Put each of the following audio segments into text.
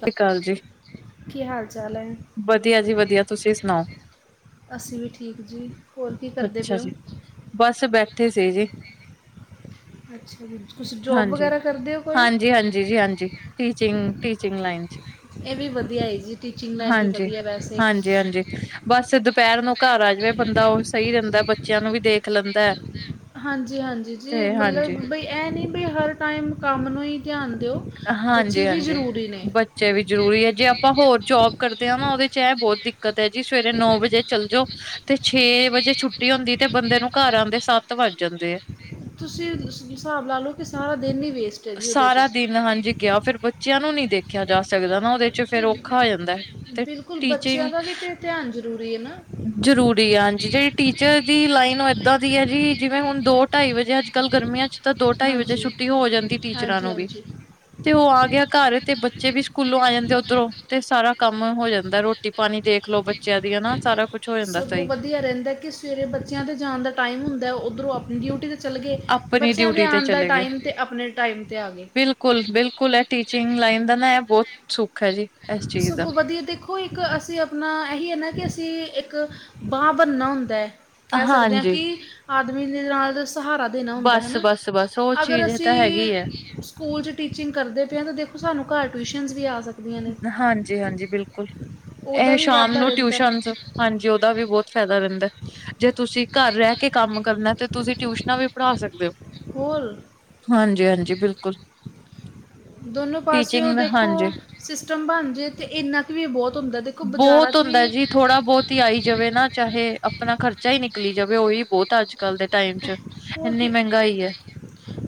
ਸਤਿ ਸ੍ਰੀ ਅਕਾਲ ਜੀ ਕੀ ਹਾਲ ਚਾਲ ਹੈ ਵਧੀਆ ਜੀ ਵਧੀਆ ਤੁਸੀਂ ਸੁਣਾਓ। ਅਸੀਂ ਵੀ ਠੀਕ ਜੀ ਹੋਰ ਕੀ ਕਰਦੇ ਅੱਛਾ ਪਏ ਹੋ। ਜੀ, ਬਸ ਬੈਠੇ ਸੀ ਜੀ। ਅੱਛਾ ਜੀ ਤੁਸੀ ਜਾਬ ਹਾਂਜੀ। ਵਗੈਰਾ ਕਰਦੇ ਹੋ ਕੋਈ। ਟੀਚਿੰਗ ਟੀਚਿੰਗ ਲਾਈਨ ਚ। ਇਹ ਵੀ ਵਧੀਆ ਹੈ ਜੀ ਟੀਚਿੰਗ ਲਾਈਨ ਵੀ ਹਾਂਜੀ। ਵਧੀਆ ਵੈਸੇ। ਹਾਂਜੀ-ਹਾਂਜੀ, ਬਸ ਦੁਪਹਿਰ ਨੂੰ ਘਰ ਆ ਜਾਵੇ ਬੰਦਾ ਉਹ ਸਹੀ ਰਿੰਦਾ ਬੱਚਿਆਂ ਨੂੰ ਵੀ ਦੇਖ ਲੈਂਦਾ ਹੈ। ਹਾਂਜੀ ਹਾਂਜੀ ਜੀ ਤੇ ਮਤਲਬ ਹਾਂਜੀ, ਬਈ ਇਹ ਨਹੀਂ ਬਈ ਹਰ ਟਾਈਮ ਕੰਮ ਨੂੰ ਹੀ ਧਿਆਨ ਦਿਓ। ਬੱਚੇ ਹਾਂਜੀ ਵੀ ਹਾਂਜੀ ਜ਼ਰੂਰੀ ਨੇ ਬੱਚੇ ਵੀ ਜਰੂਰੀ ਹੈ ਜੀ ਆਪਾਂ ਹੋਰ ਜੋਬ ਕਰਦੇ ਆ ਨਾ ਉਹਦੇ ਚ ਇਹ ਬਹੁਤ ਦਿੱਕਤ ਹੈ ਜੀ ਸਵੇਰੇ ਨੌ ਵਜੇ ਚੱਲ ਜਾਓ। ਤੇ ਛੇ ਵਜੇ ਛੁੱਟੀ ਹੁੰਦੀ ਤੇ ਬੰਦੇ ਨੂੰ ਘਰ ਆਉਂਦੇ ਸੱਤ ਵੱਜ ਜਾਂਦੇ ਆ। ਤੁਸੀਂ ਹਿਸਾਬ ਲਾ ਲਓ ਕਿ ਸਾਰਾ ਦਿਨ ਹੀ ਵੇਸਟ ਹੈ ਜੀ ਉਹਦੇ ਚ। ਸਾਰਾ ਦਿਨ ਹਾਂਜੀ ਗਿਆ ਫਿਰ ਬੱਚਿਆਂ ਨੂੰ ਨੀ ਦੇਖਿਆ ਜਾ ਸਕਦਾ ਨਾ। ਉਹਦੇ ਚ ਤੇ ਫੇਰ ਔਖਾ ਹੋ ਜਾਂਦਾ ਤੇ ਬਿਲਕੁਲ ਬੱਚਿਆਂ ਟੀਚਿੰਗ ਦਾ ਵੀ ਤੇ ਧਿਆਨ ਜ਼ਰੂਰੀ ਹੈ ਨਾ ਜ਼ਰੂਰੀ ਆ ਹਾਂਜੀ ਜਿਹੜੀ ਟੀਚਰ ਦੀ ਲਾਈਨ ਉਹ ਇੱਦਾਂ ਦੀ ਹੈ ਜੀ ਜਿਵੇਂ ਹੁਣ ਦੋ ਢਾਈ ਵਜੇ ਅੱਜ ਕੱਲ੍ਹ ਗਰਮੀਆਂ ਚ ਤਾਂ ਦੋ-ਢਾਈ ਵਜੇ ਹਾਂਜੀ ਛੁੱਟੀ ਹੋ ਜਾਂਦੀ ਟੀਚਰਾਂ ਹਾਂਜੀ ਨੂੰ ਵੀ। ਹਾਂਜੀ ਤੇ ਉਹ ਆ ਗਿਆ ਘਰ ਤੇ ਬੱਚੇ ਵੀ ਸਕੂਲੋਂ ਆ ਜਾਂਦੇ ਉੱਧਰੋਂ ਤੇ ਸਾਰਾ ਕੰਮ ਹੋ ਜਾਂਦਾ, ਰੋਟੀ-ਪਾਣੀ ਦੇਖ ਲੋੋ ਬ ਬੱਚਿਆਂ ਦੀਆਂ ਨਾ ਸਾਰਾ ਕੁਛ ਹੋ ਜਾਂਦਾ ਸਗੋਂ ਸਹੀ ਵਧੀਆ ਰਹਿੰਦਾ ਕਿ ਸਵੇਰੇ ਬੱਚਿਆਂ ਦੇ ਜਾਣ ਦਾ ਟਾਈਮ ਹੁੰਦਾ, ਉੱਧਰੋਂ ਆਪਣੀ ਡਿਊਟੀ ਦੇ ਚੱਲ ਗੇ, ਆਪਣੀ ਬੱਚਿਆਂ ਦੇ ਡਿਊਟੀ ਤੇ ਆਣ ਦਾ ਚਲੇ ਟਾਈਮ ਤੇ ਆਪਣੇ ਟਾਈਮ ਤੇ ਆਗੇ। ਬਿਲਕੁਲ-ਬਿਲਕੁਲ, ਇਹ ਟੀਚਿੰਗ ਲਾਈਨ ਦਾ ਨਾ ਬਹੁਤ ਸੁੱਖ ਐ ਜੀ। ਇਸ ਚੀਜ਼ ਦਾ ਸਗੋਂ ਵਧੀਆ ਦੇਖੋ ਦੇਖੋ ਇੱਕ, ਅਸੀਂ ਅਪਨਾ ਇਹੀ ਐ ਨਾ ਕਿ ਅਸੀਂ ਇੱਕ ਬਾਂਹ ਬਣਨਾ ਹੁੰਦੈਂ। ਕਹਿ ਸਕਦੇ ਆ ਹਾਂਜੀ ਕਿ, ਆਦਮੀ ਦੇ ਨਾਲ ਤੇ ਸਹਾਰਾ ਦੇਣਾ ਹੁੰਦਾ ਬਸ ਹੈਨਾ। ਬਸ ਬਸ ਉਹ ਅਗਰ ਚੀਜ਼ ਤਾਂ ਹੈਗੀ ਹੈ ਅਸੀਂ ਸਕੂਲ 'ਚ ਟੀਚਿੰਗ ਕਰਦੇ ਪਏ ਆ ਤਾਂ ਦੇਖੋ ਸਾਨੂੰ ਘਰ ਟਿਊਸ਼ਨਸ ਵੀ ਆ ਸਕ ਹਾਂਜੀ-ਹਾਂਜੀ, ਬਿਲਕੁਲ ਉਹਦਾ ਇਹ ਵੀ ਸ਼ਾਮ ਵਾਧਾ ਨੂੰ ਰਹਿੰਦਾ ਟਿਊਸ਼ਨਜ਼ ਹਾਂਜੀ ਉਹਦਾ ਵੀ ਬਹੁਤ ਫ਼ਾਇਦਾ ਰਹਿੰਦਾ, ਜੇ ਤੁਸੀਂ ਘਰ ਰਹਿ ਕੇ ਕੰਮ ਕਰਨਾ ਤੇ ਤੁਸੀਂ ਟਿਊਸ਼ਨਾਂ ਵੀ ਪੜ੍ਹਾ ਸਕਦੇ ਓ। ਹੋਲ। ਹਾਂਜੀ-ਹਾਂਜੀ ਬਿਲਕੁਲ। ਦੋਨੋ ਪਾਸਿਓ ਟੀਚਿੰਗ ਦੇਖੋ, ਹਾਂਜੀ ਸਿਸਟਮ ਬਣਜੇ ਤੇ ਇੰਨਾ ਕੁ ਵੀ ਬਹੁਤ ਹੁੰਦਾ। ਦੇ ਬਹੁਤ ਹੁੰਦਾ ਜੀ। ਥੋੜਾ ਬਹੁਤ ਈ ਆਈ ਜਾਵੇ ਨਾ, ਚਾਹੇ ਆਪਣਾ ਖਰਚਾ ਈ ਨਿਕਲੀ ਜਾਵੇ। ਉਹੀ ਬਹੁਤ ਅੱਜ-ਕੱਲ੍ਹ ਦੇ ਟਾਈਮ 'ਚ। ਹੋਰ ਇੰਨੀ ਕੀ। ਮਹਿੰਗਾਈ ਹੈ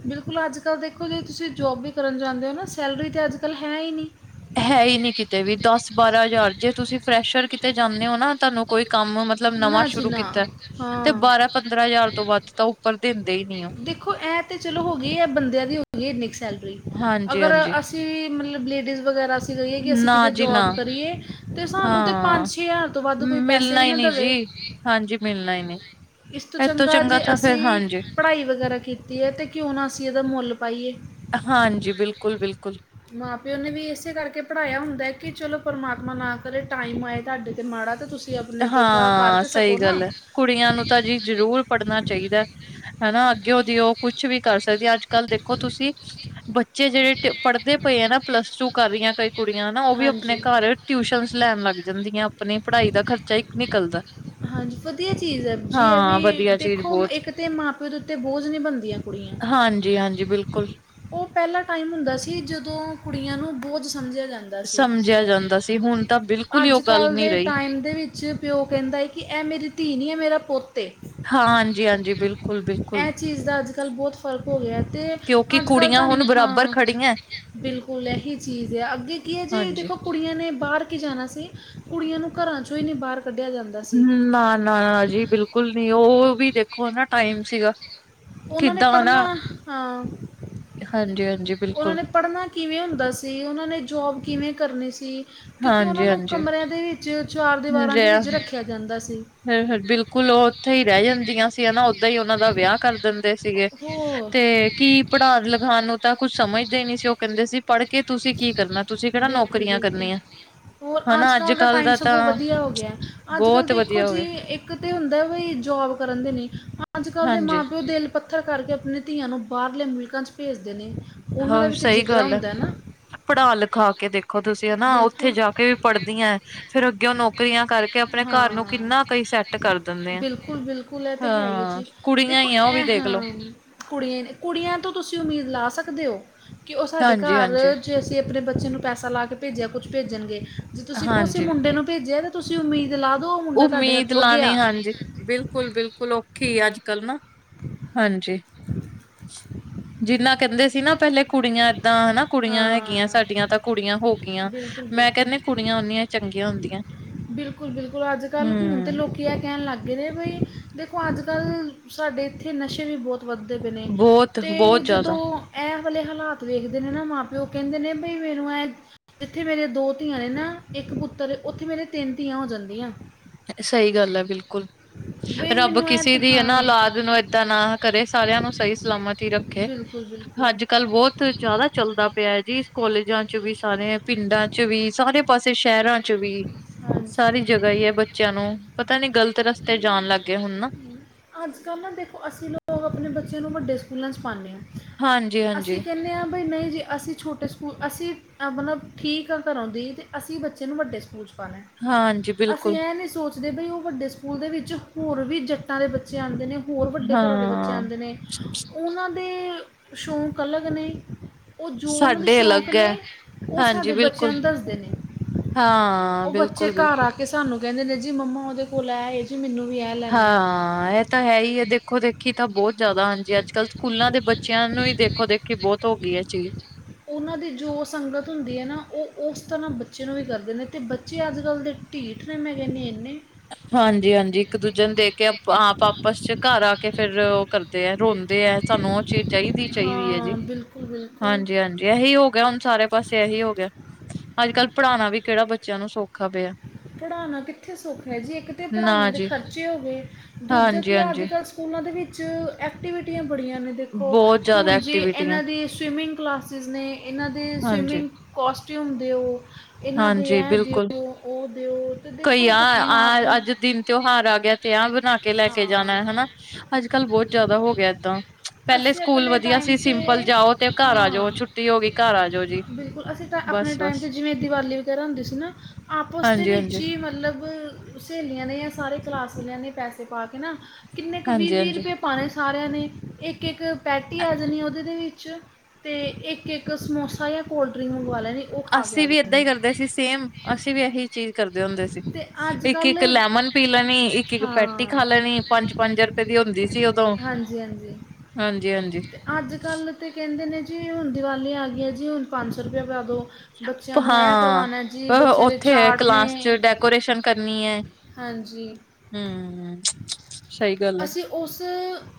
ਬਿਲਕੁਲ ਅੱਜ-ਕੱਲ੍ਹ ਦੇਖੋ ਜੇ ਤੁਸੀਂ ਜੋਬ ਵੀ ਕਰਨ ਜਾਂਦੇ ਓ ਨਾ, ਸੈਲਰੀ ਤੇ ਅੱਜ-ਕੱਲ੍ਹ ਹੈ ਈ ਨਹੀਂ। ਹੈ ਈ ਨੀ ਕਿਤੇ ਵੀ, ਦੱਸ-ਬਾਰਾਂ ਹਜ਼ਾਰ ਜੇ ਤੁਸੀਂ ਫਰੈਸ਼ਰ ਕਿਤੇ ਜਾਂਨੇ ਓ ਨਾ, ਤੁਹਾਨੂੰ ਕੋਈ ਕੰਮ ਮਤਲਬ, ਨਵਾਂ ਨਾ ਜੀ ਸ਼ੁਰੂ ਨਾ ਕੀਤਾ ਤੇ ਹਾਂ ਬਾਰਾਂ-ਪੰਦਰਾਂ ਹਜ਼ਾਰ ਤੋਂ ਵੱਧ ਤਾਂ ਉਹ ਉੱਪਰ ਦਿੰਦੇ ਹੀ ਨਹੀਂ ਦੇਖੋ, ਇਹ ਤੇ ਚਲੋ ਹੋਗੀ ਏ ਬੰਦਿਆਂ ਦੀ ਹੋਗੀ ਇੰਨੀ ਕੁ ਸੈਲਰੀ। ਹਾਂਜੀ ਅਗਰ ਹਾਂਜੀ ਅਸੀਂ ਤੀ ਮਤਲਬ ਲੇਡੀਜ਼ ਵਗੈਰਾ ਕੀ ਕਰੀਏ ਕਿ, ਅਸੀਂ ਨਾ ਕਿਤੇ ਜੀ ਨਾ ਜੋਬ ਕਰੀਏ ਤੇ ਸਾਨੂੰ ਤੇ ਹਾਂ ਪੰਜ-ਛੇ ਜ਼ਾਰ ਤੋਂ ਵੱਧ ਕੋਈ ਪੈਸੇ ਮਿਲਣਾ ਵੀ ਹੀ ਨਹੀਂ ਦਵੇ, ਜੀ ਹਾਂਜੀ ਮਿਲਣਾ ਹੀ ਨਹੀਂ ਇਸ ਤੋਂ ਇਹ ਚੰਗਾ ਜੇ ਤਾਂ ਫਿਰ ਅਸੀਂ ਹਾਂਜੀ ਪੜ੍ਹਾਈ ਵਗੈਰਾ ਕੀਤੀ ਐ ਤੇ ਕਿਉਂ ਨਾ ਅਸੀਂ ਇਹਦਾ ਮੁੱਲ ਪਾਈਏ। ਹਾਂਜੀ, ਬਿਲਕੁਲ-ਬਿਲਕੁਲ। ਮਾਂ-ਪਿਓ ਨੇ ਵੀ ਇਸੇ ਕਰਕੇ ਪੜ੍ਹਾਇਆ ਹੁੰਦਾ ਐ ਕਿ ਚਲੋ, ਪਰਮਾਤਮਾ ਨਾ ਕਰੇ ਟਾਈਮ ਆਏ ਤੁਹਾਡੇ ਤੇ ਮਾੜਾ ਤੇ ਤੁਸੀਂ ਤੇ ਆਪਣੇ ਜੋਗਾ ਕਰ ਆ, ਤਾਂ ਸਹੀ ਸਕੋ ਨਾ ਗੱਲ ਐ, ਕੁੜੀਆਂ ਨੂੰ ਤਾਂ ਜੀ ਜ ਜ਼ਰੂਰ ਪੜ੍ਹਨਾ ਚਾਹੀਦਾ ਹਨਾ। ਅੱਗੇਓ ਦੀ ਉਹ ਕੁਛ ਵੀ ਕਰ ਸਕਦੀਆਂ, ਅੱਜ-ਕੱਲ੍ਹ ਦੇਖੋ ਤੁਸੀਂ ਬੱਚੇ ਜਿਹੜੇ ਪੜ੍ਹਦੇ ਪਏ ਆ ਨਾ, ਪਲੱਸ ਟੂ ਕਰ ਰਹੀਆਂ ਕਈ ਕੁੜੀਆਂ ਨਾ, ਉਹ ਵੀ ਆਪਣੇ ਹਾਂਜੀ ਘਰ ਟਿਊਸ਼ਨਸ ਲੈਣ ਲੱਗ ਜਾਂਦੀਆਂ, ਆਪਣੀ ਪੜ੍ਹਾਈ ਦਾ ਖਰਚਾ ਇੱਕ ਨਿਕਲਦਾ। ਹਾਂਜੀ, ਵਧੀਆ ਚੀਜ਼ ਐ ਜੀ ਇਹ ਹਾਂ ਵੀ, ਵਧੀਆ ਚੀਜ਼ ਦੇਖੋ ਬਹੁਤ ਇੱਕ ਤਾਂ ਮਾਂ-ਪਿਓ ਦੇ ਉੱਤੇ ਬੋਝ ਨੀ ਬਣਦੀਆਂ ਕੁੜੀਆਂ ਹਾਂਜੀ-ਹਾਂਜੀ ਬਿਲਕੁਲ। ਉਹ ਪਹਿਲਾ ਟਾਈਮ ਹੁੰਦਾ ਸੀ, ਜਦੋਂ ਕੁੜੀਆਂ ਨੂੰ ਬੋਝ ਸਮਝਿਆ ਜਾਂਦ ਦਾ ਸੀ, ਸਮਝਿਆ ਜਾਂਦਾ ਸੀ ਹੁਣ ਤਾਂ ਬਿਲਕੁਲ ਹੀ ਉਹ ਗੱਲ ਅੱਜ-ਕੱਲ੍ਹ ਨਹੀਂ ਦੇ ਰਹੀ ਟਾਈਮ ਦੇ ਵਿੱਚ ਪਿਓ ਕਹਿੰਦਾ ਕਿ ਇਹ ਮੇਰੀ ਧੀ ਨੀ, ਐ ਮੇਰਾ ਪੁੱਤ ਏ। ਹਾਂ, ਹਾਂਜੀ-ਹਾਂਜੀ ਬਿਲਕੁਲ। ਬਿਲਕੁਲ ਐਹ ਚੀਜ਼ ਦਾ ਅੱਜ-ਕੱਲ੍ਹ ਬਹੁਤ ਫ਼ਰਕ ਹੋ ਗਿਆ ਤੇ ਕਿਉਂਕਿ ਅੱਜ-ਕੱਲ੍ਹ ਕੁੜੀਆਂ ਤੁਹਾਨੂੰ ਹੁਣ ਬਰਾਬਰ ਹਾਂ। ਖੜੀਆਂ ਬਿਲਕੁਲ ਇਹੀ ਚੀਜ਼ ਆ, ਅੱਗੇ ਕੀ ਐ ਜੀ ਹਾਂਜੀ ਦੇਖੋ ਕੁੜੀਆਂ ਨੇ ਬਾਹਰ ਕੀ ਜਾਣਾ ਸੀ, ਕੁੜੀਆਂ ਨੂੰ ਘਰਾਂ 'ਚੋ ਨਹੀਂ ਬਾਹਰ ਕੱਢਿਆ ਜਾਂਦਾ ਸੀ ਹੂੰ, ਨਾ-ਨਾ ਜੀ ਬਿਲਕੁਲ ਨੀ ਓ ਵੀ ਦੇਖੋ ਨਾ ਟਾਈਮ ਸੀਗਾ। ਓਨਾਂ ਨੇ ਕਿੱਦਾਂ ਨਾ ਪੜਨਾ, ਹਾਂ ਹਾਂਜੀ, ਹਾਂ। ਓਨਾਂ ਨੇ ਪੜਨਾ ਕਿਵੇਂ ਹੁੰਦਾ ਸੀ ਓਨਾਂ ਨੇ ਜੋਬ ਕਿਵੇਂ ਕਰਨੀ ਸੀ? ਕਿਊਕਿ ਓਨਾਂ ਹਾਂਜੀ ਨੂੰ ਹਾਂਜੀ ਕਮਰੇਆਂ ਦੇ ਵਿੱਚ, ਚਾਰ ਦੀਵਾਰਾਂ ਦੇ ਵਿੱਚ ਰੱਖੇਆ ਜਾਂਦਾ ਸੀ। ਹੂੰ-ਹੂੰ, ਬਿਲਕੁਲ ਓ ਓਥੇ ਈ ਰੈ ਜਾਂਦੀਆਂ ਸੀ ਹਨਾ ਓਦਾਂ ਈ ਓਨਾਂ ਦਾ ਵੇਆ। ਕਾਰ ਦੰਦੇ ਸੀਗੇ, ਹੋਰ ਤੇ ਕੀ ਪੜਾਨ ਲਖਾਨ ਨੂੰ ਤਾਂ ਕੁੱਛ ਸਮਜਦੇ ਨੀ ਸੀ ਓ ਕੰਦੇ ਸੀ ਪੜ੍ਹ ਕੇ ਤੁਸੀਂ ਕੀ ਕਰਨਾ ਤੁਸੀਂ ਕੇੜਾ ਬਿਲਕੁਲ ਨੌਕਰੀਆਂ ਬਿਲਕੁਲ ਕਰਨੀਆਂ। ਹੋਰ ਹਨਾ ਅੱਜ ਆੱਜ-ਕਾੱਲ ਦਾ ਕੱਲ ਟਾਈਮ ਤਾਂ ਸਗੋਂ ਵਦੀਆ ਹੋ ਗੇਆ, ਆੱਜ-ਕਾੱਲ ਬਹੁਤ ਤੇ ਖੋ ਵਧੀਆ ਹੋ ਜੀ ਗਿਆ ਇੱਕ ਤੇ ਹੁੰਦਾ ਵਈ ਜੋਬ ਕਰਨ ਦੇ ਲਈ ਆੱਜ-ਕਾੱਲ ਦੇ ਮਾਂ ਹਾਂਜੀ ਪੇਓ ਦਿਲ ਪੱਥਰ ਕਰਕੇ ਆਪਨੇ ਧੀਆਂ ਨੂੰ ਬਾਰਲੇ ਮੁਲਕਾਂ ਚ ਭੇਜਦੇ ਨੇ ਓਨਾਂ ਦਾ ਹਾਂ ਵੀ ਤੇ ਸਹੀ ਜਿਗਰਾ ਗੱਲ ਹੈ ਹੁੰਦੈ ਨਾ। ਪੜ੍ਹਾ ਲਖਾ ਕੇ ਦੇਖ ਦੇਖੋ ਤੁਸੀਂ ਹਨਾ ਓਥੇ ਬਿਲਕੁਲ ਜਾ ਕੇ ਵੀ ਪੜ੍ਹਦੀਐਂ ਫੇਰ ਅੱਗੇ ਓ ਨੌਕਰੀਆਂ ਕਾਰਕੇ ਆਪਨੇ ਘਾਰ ਨੂੰ ਕਿੰਨਾ ਕਈ ਸੈ ਬਿਲਕੁਲ-ਬਿਲਕੁਲ ਐ ਤੇ ਹੈ ਈ ਏ ਹਾਂ ਜੀ, ਕੁੜੀਆਂ ਦੇਖੋ ਹੀ ਆ ਉਹ ਵੀ ਐ ਹਾਂ ਦੇਖਲੋ ਕੁੜੀਆਂ ਏ ਨੇ ਕੁੜੀਆਂ ਤੋਂ ਤੁਸੀਂ ਉਮੀਦ ਲਾ ਸਕਦੇ ਓ, ਕਿ ਓ ਸਾਡੇ ਹਾਂਜੀ ਘਾਰ ਹਾਂਜੀ ਜੇ ਅਸੀਂ ਆਪਦੇ ਬੱਚੇ ਨੂੰ ਪੈਸਾ ਲਾ ਕੇ ਭੇਜੇਆ ਕੁੱਛ ਭੇਜਨਗੇ, ਜੇ ਤੁਸੀਂ ਕੋਸੇ ਹਾਂਜੀ ਮੁੰਡੇ ਨੂੰ ਭੇਜੇਆ ਤੁਸੀਂ ਉਮੀਦ ਲਾ ਦੋ ਉਮੀਦ ਲਾਨੀ ਹਾਂਜੀ ਬਿਲਕੁਲ-ਬਿਲਕੁਲ ਔਖੀ ਆੱਜ-ਕਾੱਲ ਨਾ, ਹਾਂਜੀ। [inaudible] ਜਿੰਨਾ ਕੈਂਦੇ ਸੀ ਨਾ ਪੇਲੇ ਕੁੜੀਆਂ ਐਦਾਂ ਹਨਾ ਕੁੜੀਆਂ ਹੈਗੀਆਂ ਹਾਂ ਸਾਡੀਆਂ ਤਾਂ ਕੁੜੀਆਂ ਹੋ ਗੀਆਂ ਬਿਲਕੁਲ ਮੈਂ ਬਿਲਕੁਲ ਕੈਂਦੀ ਕੁੜੀਆਂ ਓਨੀਆਂ ਚੰਗੀਆਂ ਹੁੰਦੀਐਂ। ਬਿਲਕੁਲ-ਬਿਲਕੁਲ, ਆੱਜ-ਕਾੱਲ੍ਹ ਹੁਨ ਤੇ ਲੋ ਕੀ ਐ ਕੈਨ ਲਾੱਗ ਗੇ ਨੇ ਬਈ, ਦੇਖੋ ਆੱਜ-ਕੱਲ੍ਹ ਸਾਡੇ ਏਥੇ ਨਸ਼ੇ ਵੀ ਬੋਤ ਵੱਦੇ ਪਏ ਨੇ, ਬਹੁਤ ਤੇ ਬਹੁਤ ਜ਼ਿਆਦਾ ਜਦੋਂ ਐ ਵਲੇ ਹਾਲਾਤ ਵੇਖਦੇ ਨੇ ਨਾ ਮਾਂ-ਪੇਓ ਕੈਂਦੇ ਨੇ ਬਈ ਮੈਨੂੰ ਐਂ ਜਿੱਥੇ ਮੇਰੀਆਂ ਦੋ ਧੀਆਂ ਨੇ ਨਾ, ਇੱਕ ਪੁੱਤਰ ਓਥੇ ਮੇਰੇ ਤਿੰਨ ਧੀਆਂ ਹੋ ਜਾਂਦੀਆਂ। ਸਈ ਗੱਲ ਏ ਬਿਲਕੁਲ। ਬਈ ਰਾੱਬ ਮੈਨੂੰ ਇਹ ਕਿਸੇ ਤਾਂ ਦੀ ਹਾਂ ਹਨਾ ਅਲਾਦ ਨੂੰ ਏਦਾਂ ਨਾ ਕਰੇ ਸਾਰੇਆਂ ਨੂੰ ਸਈ ਸਲਾਮਤ ਈ ਰੱਖੇ। ਬਿਲਕੁਲ ਬਿਲਕੁਲ। ਜਾਦਾ ਚੱਲਦਾ ਪੇਐ ਜੀ ਕੋਾਲਜਾਂ ਚ ਵੀ ਸਾਰੇਆਂ ਪਿੰਡਾਂ 'ਚ ਵੀ ਸਾਰੇ ਪਾਸੇ ਸੈ਼ ਰਾਂ ਚ' ਵੀ। ਸਾਰੀ ਜਗ੍ਹਾ ਹਾਂਜੀ ਏ ਈ ਏ ਬੱਚੇਆਂ ਨੂੰ, ਪਤਾ ਨੀ ਗ਼ਲਤ ਰਸਤੇ ਜਾਨ ਲਾੱਗ ਗੇ ਹੁਨ ਨਾ। ਆੱਜ-ਕਾੱਲ ਨਾ ਦੇਖੋ ਅਸੀਂ ਲੋਗ ਅਪਨੇ ਬੱਚੇਆ ਨੂੰ ਵੱਡੇ ਸਕੂਲਾਂ 'ਚ ਪਾਂਨੇ ਆਂ ਹਾਂਜੀ ਅਸੀਂ ਹਾਂਜੀ ਕੇਨੇ ਆਂ ਨਈ-ਨਈ ਜੇ ਅਸੀਂ ਛੋਟੇ ਸੁਕੂ ਅਸੀਂ, ਆਪਨਾ ਠੀਕ ਘਰੋਂ ਦੀ੍ਹ ਤੇ ਅਸੀ ਬੱ ਚੇ ਨੂੰ ਵੱਡੇ ਸੁਕੂਲ ਪਾਣੈ, ਹਾਂਜੀ ਅਸੀਂ ਬਿਲਕੁਲ ਐ ਨੀ ਸੋਚ ਦੇ ਬਈ ਓ ਵੱਡੇ ਸੁਕੂਲ ਦੇ ਵਿੱਚ ਹੋਰ ਵੀ ਜ ਟਾਂ ਦੇ ਬੱਚੇ ਆਂਦੇ ਨੇ ਹੋਰ ਵੱਡੇ ਘਰਾਂ ਦੇ ਬੱਚੇ ਹਾਂ ਆਂਦੇ ਨੇ ਉਹਾਂ ਦੇ ਸੋ਼ਕ ਅਲਗ ਨੇ ਓ ਜੋ ਓਨਂ ਦੇ ਸਾਡੇ ਸ਼ੌਕ ਅਲੱਗ ਹੈ ਨੇ, ਓ ਹਾਂਜੀ ਸਾਡੇ ਬੱਚੇਆਂ ਬਿਲਕੁਲ ਨ ਦੱਸਦੇ ਨੇ। ਹਾਂ ਓ ਬੱਚੇ ਬਿਲਕੁਲ ਘਾਰ ਬਿਲਕੁਲ ਆ ਕੇ ਸਾਨੂੰ ਕੈਂਦੇ ਨੇ ਜੀ ਮੰਮਾ ਓਦੇ ਕੋਲ ਐ ਏ ਜੀ ਮਿਨੂੰ ਵੀ ਐ ਲੈਨੈ। ਓ ਤਾ ਹੈ ਈ ਐ ਦੇਖੋ-ਦੇਖ ਖੀ ਤਾਂ ਬੋਤ ਜਾਦਾ ਹਾਂਜੀ ਆੱਜ-ਕਾੱਲ ਸਕੂਲਾਂ ਦੇ ਬੱਚੇਆਂ ਨੂੰ ਈ ਦੇਖੋ-ਦੇਖੀ ਬੋਤ ਹੋ ਗੀ ਐ ਚੀਜ। ਉਹਨਾਂ ਦੀ ਜੋ ਸੰਗਤ ਹੁੰਦੀ ਹੈ ਨਾ ਉਹ ਉਸ ਤਰ੍ਹਾਂ ਬੱਚੇ ਨੂੰ ਵੀ ਕਰਦੇ ਨੇ ਅਤੇ ਬੱਚੇ ਅੱਜ ਕੱਲ੍ਹ ਦੇ। ਢੀਠ ਨੇ ਮੈਂ ਕਿਨੀ ਇੰਨੇ। ਹਾਂਜੀ ਹਾਂਜੀ ਇੱਕ ਦੂਜੇ ਨੂੰ ਦੇਖ ਕੇ ਆਪ ਆਪਸ ਚ ਘਰ ਆ ਕੇ ਫਿਰ। ਕਰਦੇ ਹੈ ਰੋਂਦੇ ਹੈ ਸਾਨੂੰ ਉਹ ਚੀਜ਼ ਚਾਹੀਦੀ ਚਾਹੀਦੀ ਹੈ ਜੀ। ਹਾਂ ਬਿਲਕੁਲ ਬਿਲਕੁਲ ਹਾਂਜੀ ਹਾਂਜੀ ਇਹੀ ਹੋ ਗਿਆ ਹੁਣ ਸਾਰੇ ਪਾਸੇ ਇਹੀ ਹੋ ਗਿਆ ਅੱਜ ਕੱਲ੍ਹ ਪੜ੍ਹਾਉਣਾ ਵੀ ਕਿਹੜਾ ਬੱਚਿਆਂ ਨੂੰ ਸੌਖਾ ਪਿਆ। ਪੜ੍ਹਾਉਣਾ ਕਿੱਥੇ ਸੁਖ ਹੈ ਜੀ ਇੱਕ ਤਾਂ ਨਾ ਪੜ੍ਹਾਈਆਂ ਦੇ ਜੀ ਖਰਚੇ ਹੋ ਗਏ ਦੂਜਾ ਹਾਂਜੀ ਕੀ ਅੱਜ ਹਾਂਜੀ ਕੱਲ੍ਹ। ਸਕੂਲਾਂ ਦੇ ਵਿੱਚ ਐਕਟੀਵਿਟੀਆਂ ਬੜੀਆਂ ਨੇ ਦੇਖੋ ਬਹੁਤ ਜ਼ਿਆਦਾ ਹੁਣ ਜੇ ਐਕਟੀਵਿਟੀਆਂ ਇਹਨਾਂ ਦੀ ਸਵੀਮਿੰਗ। ਕਲਾਸਿਸ ਨੇ ਇਹਨਾਂ ਦੇ ਹਾਂਜੀ ਸਵੀਮਿੰਗ ਕੋਸਟਿਊਮ ਦਿਓ ਇਹਨਾਂ ਦੇ ਹਾਂਜੀ ਇਹ ਦਿਓ। ਬਿਲਕੁਲ ਉਹ ਦਿਓ ਕਈ ਦੇਖੋ ਬ- ਆਹ ਮਾਂ ਪਿਓ ਆਹ ਅੱਜ ਦਿਨ ਤਿਉਹਾਰ ਆ ਗਿਆ ਤੇ ਆਹ ਬਣਾ ਕੇ ਲੈ ਕੇ ਜਾਣਾ ਹਾਂ ਹਨਾ। ਅੱਜ ਕੱਲ ਬਹੁਤ ਜਿਆਦਾ ਹੋ ਗਿਆ ਏਦਾਂ। ਪਹਿਲੇ ਅਸੀਂ ਸਕੂਲ ਆਪਣੇ ਵਧੀਆ ਟਾਈਮ ਸੀ ਸਿੰਪਲ ਜਾਓ ਤੇ ਘਰ ਆ ਜਾਓ ਹਾਂ ਛੁੱਟੀ ਹੋ ਗਈ ਘਰ ਆ ਜਾਓ ਜੀ। ਬਿਲਕੁਲ ਅਸੀਂ ਤਾਂ ਆਪਣੇ ਬਸ ਟਾਈਮ 'ਚ ਬਸ ਜਿਵੇਂ ਦੀਵਾਲੀ ਵਗੈਰਾ ਹੁੰਦੀ ਸੀ ਨਾ ਆਪਸ ਦੇ ਹਾਂਜੀ ਵਿੱਚ ਹਾਂਜੀ ਹੀ ਮਤਲਬ। ਸਹੇਲੀਆਂ ਨੇ ਜਾਂ ਸਾਰੇ ਕਲਾਸਵਾਲੇਆਂ ਨੇ ਪੈਸੇ ਪਾ ਕੇ ਨਾ ਕਿੰਨੇ ਕੁ ਵੀਹ ਹਾਂਜੀ ਵੀਹ ਹਾਂਜੀ। ਰੁਪਏ ਪਾਣੇ ਸਾਰਿਆਂ ਨੇ। ਕਿ ਇੱਕ ਪੈਟੀ ਆ ਜਾਣੀ ਉਹਦੇ ਦੇ ਵਿੱਚ। ਅਤੇ ਇੱਕ ਇੱਕ ਸਮੋਸਾ ਜਾਂ ਕੋਲਡ ਡਰਿੰਕ ਮੰਗਵਾ ਲੈਣੀ। ਉਹ ਖਾ ਕੇ ਆ ਅਸੀਂ ਵੀ ਏਦਾਂ ਜਾਣੀ ਹੀ ਕਰਦੇ ਸੀ ਸੇਮ ਅਸੀਂ ਵੀ ਇਹੀ ਚੀਜ਼ ਕਰਦੇ ਹੁੰਦੇ ਸੀ। ਤੇ ਅੱਜ ਇੱਕ ਕੱਲ ਇੱਕ ਲੈਮਨ ਪੀ ਲੈਣੀ ਇੱਕ ਇੱਕ ਪੈਟੀ ਹਾਂ ਖਾ ਲੈਣੀ ਪੰਜ ਪੰਜ ਰੁਪਏ ਦੀ ਹੁੰਦੀ ਸੀ ਉਦੋਂ। ਹਾਂਜੀ ਹਾਂਜੀ ਹਾਂਜੀ ਹਾਂਜੀ ਤੇ ਅੱਜ ਕੱਲ੍ਹ ਤਾਂ ਕਹਿੰਦੇ ਨੇ ਜੀ ਹੁਣ ਦੀਵਾਲੀ ਆ ਗਈ ਹੈ ਜੀ ਹੁਣ ਪੰਜ ਸੌ ਰੁਪਇਆ ਪਾ ਦਿਉ। ਬੱਚਿਆਂ ਨੂੰ ਇਹ ਹਾਂ। ਕਰਵਾਣਾ ਜੀ ਬੱਚਿਆਂ ਦੇ ਉੱਥੇ ਚਾਟ ਕਲਾਸ ਚ ਨੇ। ਡੈਕੋਰੇਸ਼ਨ ਕਰਨੀ ਹੈ ਹਾਂਜੀ ਹਮ ਸਹੀ ਗੱਲ ਆ। ਅਸੀਂ ਉਸ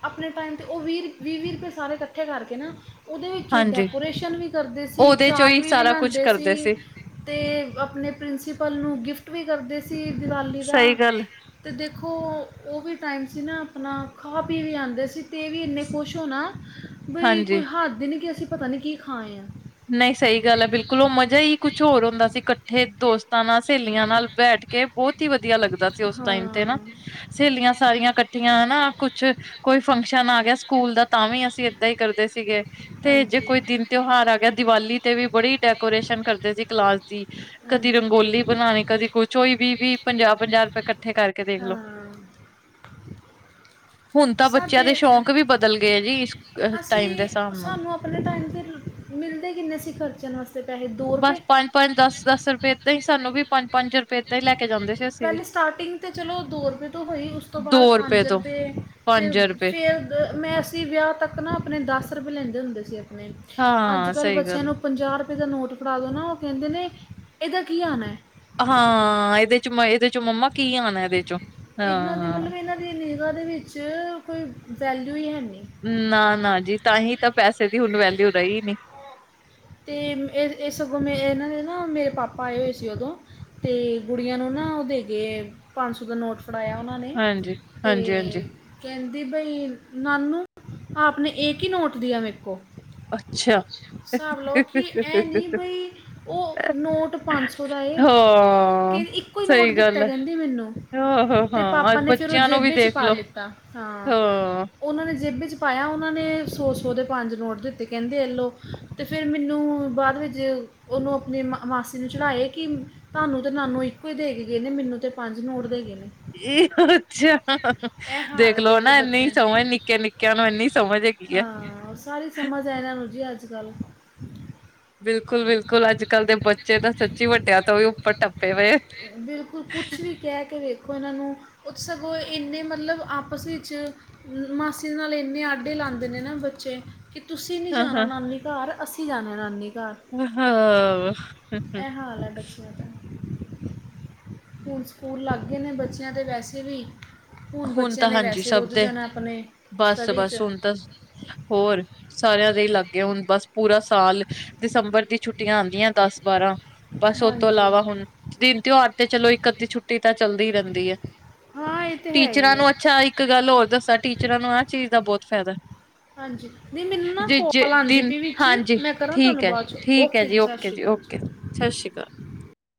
ਆਪਣੇ ਟਾਈਮ 'ਤੇ ਉਹ ਵੀਹ ਵੀਹ ਵੀਹ ਰੁਪਏ ਸਾਰੇ ਇਕੱਠੇ ਕਰਕੇ ਨਾ। ਉਹਦੇ ਵਿੱਚ ਹਾਂਜੀ। ਡੈਕੋਰੇਸ਼ਨ ਵੀ ਕਰਦੇ ਸੀ ਉਹਦੇ ਚੋਂ ਚਾਟ ਹੀ ਵੀ ਸਾਰਾ ਕੁਛ ਬਣਾਉਂਦੇ ਕਰਦੇ ਸੀ। ਅਤੇ ਆਪਣੇ ਪ੍ਰਿੰਸੀਪਲ ਨੂੰ ਗਿਫਟ ਵੀ ਕਰਦੇ ਸੀ ਦਿਵਾਲੀ ਦਾ। ਸਹੀ ਗੱਲ। ਅਤੇ ਦੇਖੋ ਉਹ ਵੀ ਟਾਈਮ ਸੀ ਨਾ ਆਪਣਾ ਖਾ ਪੀ ਵੀ ਆਉਂਦੇ ਸੀ। ਤੇ ਇਹ ਵੀ ਇੰਨੇ ਕੁਛ ਹੋਣਾ ਬਈ ਹਾਂਜੀ। ਕੋਈ ਹੱਦ ਈ ਨਹੀਂ ਕਿ ਅਸੀਂ ਪਤਾ ਨਹੀਂ ਕੀ ਖਾਏ ਹਾਂ। ਨਹੀਂ ਸਹੀ ਗੱਲ ਹੈ ਬਿਲਕੁਲ ਉਹ ਮਜ਼ਾ ਹੀ ਕੁਛ ਹੋਰ ਹੁੰਦਾ ਸੀ ਇਕੱਠੇ ਦੋਸਤ। ਤਾਂ ਨਾਲ ਸਹੇਲੀਆਂ ਨਾਲ ਬੈਠ ਕੇ ਬਹੁਤ ਹੀ ਵਧੀਆ ਲੱਗਦਾ ਸੀ ਉਸ ਟਾਈਮ ਤੇ ਹਾਂ ਨਾ। ਸਹੇਲੀਆਂ ਸਾਰੀਆਂ ਕੱਠੀਆਂ ਹਨਾ ਕੁਛ ਕੋਈ ਫੰਕਸ਼ਨ ਆ ਗਿਆ ਸਕੂਲ ਦਾ ਤਾਂ ਵੀ ਅਸੀਂ ਏਦਾਂ ਹੀ ਕਰਦੇ ਸੀਗੇ ਤੇ ਜੇ ਹਾਂਜੀ ਕੋਈ ਦਿਨ ਤਿਉਹਾਰ ਆ ਗਿਆ ਦੀਵਾਲੀ ਤੇ ਵੀ ਬੜੀ ਡੈਕੋਰੇਸ਼ਨ ਕਰਦੇ ਸੀ ਕਲਾਸ ਦੀ ਕਦੀ ਹਾਂਜੀ ਰੰਗੋਲੀ ਬਣਾਣੀ ਕਦੀ ਕੁਛ ਉਹੀ ਵੀ ਵੀ ਪੰਜਾਹ -ਪੰਜਾਹ ਰੁਪਏ ਕੱਠੇ ਕਰਕੇ ਦੇਖਲੋ। ਹਾਂ ਹੁਣ ਤਾਂ ਬੱਚਿਆਂ ਦੇ ਸਾਡੇ ਸ਼ੌਂਕ ਵੀ ਬਦਲ ਗਏ ਆ ਜੀ ਸ ਟਾਈਮ ਦੇ ਅਸੀਂ ਹਿਸਾਬ ਨਾਲ ਸਾਨੂੰ ਆਪਣੇ ਟਾਈਮ ਤੇ ਮਿਲਦੇ ਕਿੰਨੇ ਸੀ ਖਰਚਣ ਵਾਸਤੇ ਪੈਸੇ ਦੋ ਰੁਪਏ ਪੰਜ ਦਸ -ਦਸ ਰੁਪਏ ਐਦਾ ਹੀ ਸਾਨੂੰ ਵੀ ਪੰਜ ਪੰਜ ਰੁਪਏ ਐਦਾ ਹੀ ਲੈ ਕੇ ਜਾਂਦੇ ਸੀ ਅਸੀਂ ਵੀ। ਪਹਿਲੇ ਸਟਾਰਟਿੰਗ ਤਾਂ ਚਲੋ ਦੋ ਰੁਪਏ ਤੋਂ ਹੋਈ ਉਸ ਤੋਂ ਦੋ ਬਾਅਦ ਪੰਜ ਤੋਂ ਰੁਪਏ ਪੰਜ ਫਿਰ- ਰੁਪਏ ਫਿਰ ਮੈਂ ਸੀ ਵਿਆਹ ਤੱਕ ਨਾ ਆਪਣੇ ਦਸ ਰੁਪਏ ਲੈਂਦੇ ਹੁੰਦੇ ਸੀ ਆਪਣੇ ਅੱਜ ਹਾਂ ਕੱਲ੍ਹ ਸਹੀ ਬੱਚਿਆਂ ਗੱਲ ਨੂੰ ਪੰਜਾਹ ਰੁਪਏ ਦਾ ਨੋਟ ਫੜ੍ਹਾ ਦਿਉ ਨਾ ਉਹ ਕਹਿੰਦੇ ਨੇ ਇਹਦਾ ਕੀ ਆਉਣਾ ਹੈ ਹਾਂ ਇਹਦੇ ਚ ਇਹਦੇ ਚੋਂ ਮੰਮਾ ਕੀ ਆਣਾ ਇਹਦੇ ਚੋਂ ਇਨਾਂ ਦੇ ਹਾਂ। ਮਤਲਬ ਇਹਨਾਂ ਦੀ ਨਿਗਹਾਂ ਦੇ ਵਿੱਚ ਕੋਈ ਵੈਲਿਊ ਈ ਹੈ ਨੀ। ਨਾ-ਨਾ ਜੀ ਤਾਂਹੀ ਤਾਂ ਪੈਸੇ ਦੀ ਹੁਣ ਵੈਲਿਊ ਰਹੀ ਨੀ ਤੇ ਏ ਏ ਸਗੋਂ ਮੇ ਇਹਨਾਂ ਦੇ ਨਾ ਮੇਰੇ ਪਾਪਾ ਆਏ ਹੋਏ ਸੀ ਉਦੋਂ ਤੇ ਗੁੜੀਆਂ ਨੂੰ ਨਾ ਓ ਦੇ ਗੇ ਪੰਨ ਸੌ ਦਾ ਨੋਟ ਫੜਾਇਆ ਉਹਨਾਂ ਨੇ ਹਾਂਜੀ। ਤੇ ਹਾਂਜੀ-ਹਾਂਜੀ ਕਹਿੰਦੀ ਬਈ ਨਾਨੂ ਆਪ ਨੇ ਏਕ ਈ ਨੋਟ ਦੀਆ ਮੇਰੇ ਕੋ ਅੱਛਿਆ ਹਿਸਾਬ ਲਾਓ ਕਿ ਐ ਨੀ ਬਈ ਓ ਨੋਟ ਪੰਨ ਸੌ ਦਾ ਏ ਕੇ ਹਾਂ ਇੱਕ ਇੱਕੋ ਈ ਨੋਟ ਸਹੀ ਦਿੱਤਾ ਗੱਲ ਹੈ ਕਹਿੰਦੀ ਮੈਨੂੰ ਤੇ ਹਾਂ-ਹਾਂ-ਹਾਂ ਪਾਪਾ ਨੇ ਫਿਰ ਉਹ ਬੱਚਿਆਂ ਨੂੰ ਵੀ ਜੇਬੇ 'ਚ ਪਾ ਦੇਖਲੋ ਲਿੱਤਾ ਹਾਂ ਉਹਨਾਂ ਨੇ ਜੇਬੇ ਚ ਪਾਇਆ ਉਹਨਾਂ ਨੇ ਸੌ ਸੌ ਦੇ ਪੰਜ ਨੋਟ ਦਿੱਤੇ ਕਹਿੰਦੇ ਐ ਲੋ ਤੇ ਫੇਰ ਮੈਨੂੰ ਬਾਅਦ ਵਿੱਚ ਉਹਨੂੰ ਆਪਣੀ ਮ ਮਾਸੀ ਨੂੰ ਚਿੜਾਏ ਕੀ ਤੁਹਾਨੂੰ ਤੇ ਨਾਨੂੰ ਇੱਕੋ ਈ ਦੇ ਕੇ ਗਏ ਨੇ ਮੈਨੂੰ ਤੇ ਪੰਜ ਨੋਟ ਦੇਗੇ ਨੇ। ਅੱਛਿਆ ਇਹ ਹਾਲ ਹੈ ਦੇਖਲੋ ਦੇਖੋ ਨਾ ਇੰਨੀ ਬੱਚਿਆਂ ਦਾ ਸਮਝ ਨਿੱੱਕੇ ਨਿੱੱਕਿਆਂ ਨੂੰ ਇੰਨੀ ਸਮਝ ਹੈਗੀ ਐ। ਹਾਂ, ਸਾਰੀ ਸਮਝ ਐ ਇਹਨਾਂ ਨੂੰ ਜੀ ਅੱਜ ਕੱਲ। ਬਿਲਕੁਲ-ਬਿਲਕੁਲ ਅੱਜ ਕੱਲ ਦੇ ਬੱਚੇ ਤਾਂ ਸੱਚੀ ਵੱਡਿਆਂ ਤੋਂ ਵੀ ਉੱਪਰ ਟੱਪੇ ਪਏ। ਬਿਲਕੁਲ ਕੁਛ ਵੀ ਕਹਿ ਕੇ ਵੇਖੋ ਇਹਨਾਂ ਨੂੰ ਓ ਤੇ ਸਗੋਂ ਇੰਨੇ ਮਤਲਬ ਆਪਸ ਵਿੱਚ ਮਾਸੀ ਦੇ ਨਾਲ ਇੰਨੇ ਆਡੇ ਲਾਂਦੇ ਨੇ ਨਾ ਬੱਚੇ। ਕਿ ਤੁਸੀਂ ਨੀ ਹਾਂ ਜਾਣਾ ਨਾਨੀ ਘਰ ਅਸੀਂ ਜਾਣਾ ਨਾਨੀ ਘਰ। ਹਾਂ ਇਹ ਹਾਲ ਹੈ ਬੱਚਿਆਂ ਹੁਣ ਸਕੂਲ ਲਾਂਗੇ ਨੇ ਬੱਚਿਆਂ ਦੇ ਵੈਸੇ ਵੀ। ਹੁਣ ਬੱਚਿਆਂ ਤਾਂ ਨੇ ਹਾਂਜੀ ਵੈਸੇ ਸਭ ਰੁੱਝ ਦੇ ਜਾਣਾ ਆਪਣੇ ਸਟੱਡੀ 'ਚ ਬਸ-ਬਸ ਹੁਣ ਤਾਂ ਹੋਰ ਸਾਰਿਆਂ ਦੇ ਈ ਲਾਂਗੇ ਹੁਣ ਬਸ ਪੂਰਾ ਸਾਲ ਦਸੰਬਰ ਦੀ ਛੁੱਟੀਆਂ ਆਂਦੀਆਂ ਦਸ ਬਾਰਾਂ ਬਸ ਓ ਤੋਂ ਹਾਂਜੀ ਇਲਾਵਾ ਹੁਣ ਦਿਨ ਤਿਓਹਾਰ ਤੇ ਚਲੋ ਇੱਕ ਅੱਧੀ ਛੁੱਟੀ ਤਾਂ ਚੱਲਦੀ ਰਹਿੰਦੀ ਐ ਹਾਂ ਤੇ ਹੈ ਹੀ ਟੀਚਰਾਂ ਹੈ ਨੂੰ ਅੱਛਾ ਇੱਕ ਗੱਲ ਹੋਰ ਦੱਸਾਂ ਟੀਚਰਾਂ ਨੂੰ ਆਹ ਚੀਜ਼ ਦਾ ਬਹੁਤ ਫੈਦਾ ਹਾਂਜੀ ਨਹੀਂ ਮੈਨੂੰ ਨਾ ਜ ਜੇ ਕੋਲ ਆਉਂਦੀ ਦਿਨ ਪਈ ਵਿੱਚ ਹਾਂਜੀ ਮੈਂ ਕਰਾਂ ਠੀਕ ਤੁਹਾਨੂੰ ਐ ਬਾਅਦ 'ਚ ਠੀਕ ਐ ਜੀ ਓ ਸਤਿ ਓਕੇ ਸ਼੍ਰੀ ਜੀ ਅਕਾਲ ਓਕੇ ਸਤਿ ਸ਼੍ਰੀ ਅਕਾਲ।